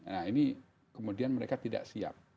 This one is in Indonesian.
nah ini kemudian mereka tidak siap